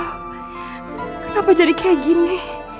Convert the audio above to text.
kenapa jadi kayak gini